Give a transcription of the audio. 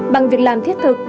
bằng việc làm thiết thực